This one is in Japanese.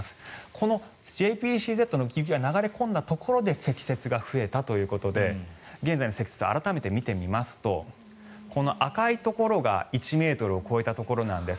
このＪＰＣＺの雲が流れ込んだところで積雪が増えたということで現在の積雪を改めて見てみますとこの赤いところが１ｍを超えたところなんです。